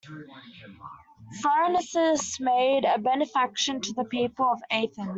Pharnaces made a benefaction to the people of Athens.